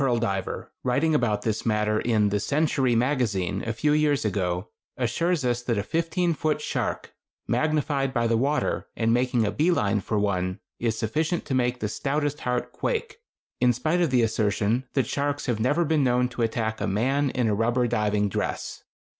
] An Australian pearl diver, writing about this matter in "The Century" magazine a few years ago, assures us that a fifteen foot shark, magnified by the water, and making a bee line for one, is sufficient to make the stoutest heart quake, in spite of the assertion that sharks have never been known to attack a man in a rubber diving dress.